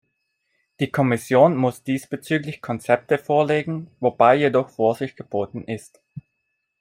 Die Kommission muss diesbezüglich Konzepte vorlegen, wobei jedoch Vorsicht geboten ist.